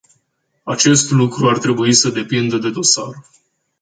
Acest lucru ar trebui să depindă de dosar.